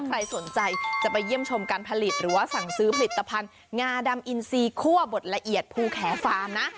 ใครสนใจจะไปเยี่ยมชมการผลิตหรือว่าสั่งซื้อผลิตภัณฑ์งาดำอินซีคั่วบดละเอียดภูแขฟาร์มนะ